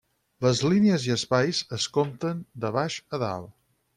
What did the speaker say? Les línies i espais es compten de baix a dalt.